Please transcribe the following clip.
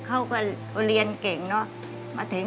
แต่เงินมีไหม